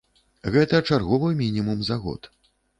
Гэта чарговы мінімум за год.